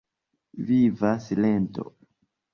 Viva silento.